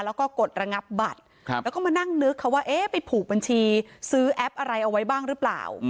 แล้วก็กดระงับบัตรแล้วก็มานั่งนึกเขาว่าเอ๊ะไปผูกบัญชีซื้อแอปอะไรเอาไว้บ้างหรือเปล่า